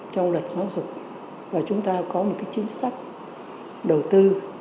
trong luật giáo dục và chúng ta có một cái chính sách đầu tư